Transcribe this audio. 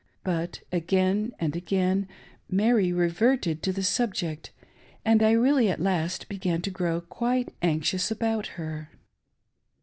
But again and again Mary reverted to the subject, and I really at last began to grow quite anxious about her.